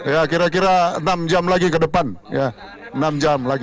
ya kira kira enam jam lagi ke depan ya enam jam lagi